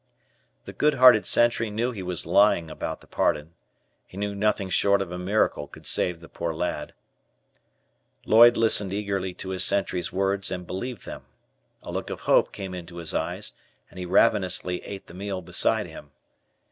The good hearted sentry knew he was lying about the pardon. He knew nothing short of a miracle could save the poor lad. Lloyd listened eagerly to his sentry's words, and believed them. A look of hope came into his eyes, and he ravenously ate the meal beside him.